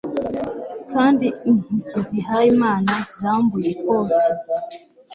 Kandi intoki zihaye Imana zambuye ikoti